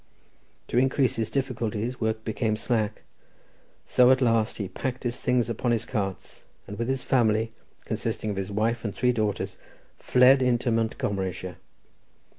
To increase his difficulties, work became slack; so at last he packed his things upon his carts, and with his family, consisting of his wife and three daughters, fled into Montgomeryshire.